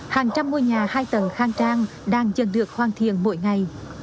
hàng trăm ngôi nhà hai tầng khang trang đang dần được hoang thiền mỗi ngày